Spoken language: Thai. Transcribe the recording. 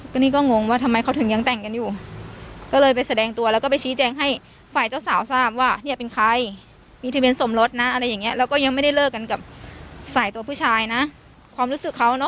ก็นี่ก็งงว่าทำไมเขาถึงยังแต่งกันอยู่ก็เลยไปแสดงตัวแล้วก็ไปชี้แจงให้ฝ่ายเจ้าสาวทราบว่าเนี่ยเป็นใครมีทะเบียนสมรสนะอะไรอย่างเงี้ยแล้วก็ยังไม่ได้เลิกกันกับฝ่ายตัวผู้ชายนะความรู้สึกเขาเนอ